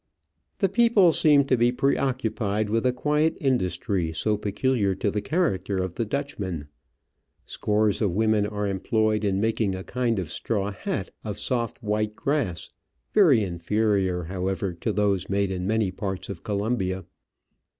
The people seem to be pre occupied, with a quiet industry so peculiar to the character of the Dutchman. Scores of women are employed in making a kind of straw hat of soft white grass, very inferior, however, to those made in many parts of Colombia.